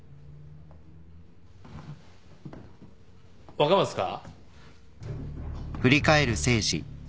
若松か？